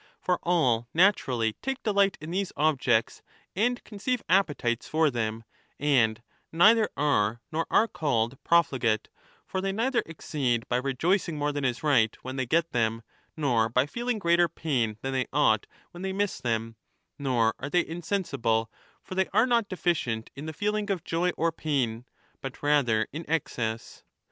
For all naturally take delight in these objects and conceive appetites for them, and neither are nor are called profligate ; for they neither exceed by i° rejoicing more than is right when they get them, nor by feeling greater pain than they ought when they miss them ; nor are they insensible, for they are not deficient in the feeling of joy or pain, but rather in excess.